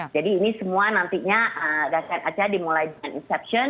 jadi ini semua nantinya rangkaian acara dimulai dengan inspection